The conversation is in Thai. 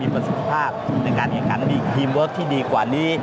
ประสิทธิภาพในการแข่งขันมีทีมเวิร์คที่ดีกว่านี้